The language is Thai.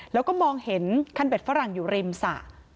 แล้วก็มองเห็นคันเบ็ดฝรั่งอยู่ริมสระ